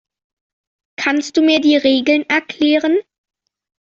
Kannst du mir die Regeln erklären?